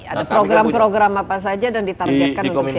ada program program apa saja dan ditargetkan untuk siapa